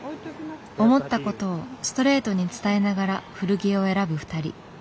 思ったことをストレートに伝えながら古着を選ぶ２人。